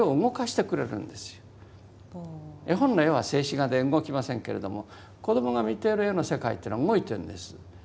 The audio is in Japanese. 絵本の絵は静止画で動きませんけれども子どもが見ている絵の世界っていうのは動いてるんです。